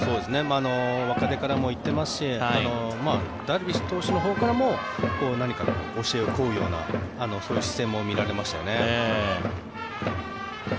若手からも行ってますしダルビッシュ投手のほうからも何か教えを請うようなそういう姿勢も見られましたよね。